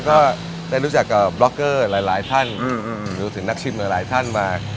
ก็ได้รู้จักกับบล็อกเกอร์หลายท่านรู้ถึงนักชิมหลายท่านมา